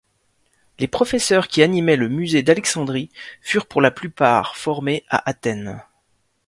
Les professeurs qui animaient le Musée d'Alexandrie furent pour la plupart formés à Athènes.